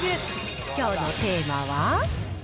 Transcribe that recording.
きょうのテーマは。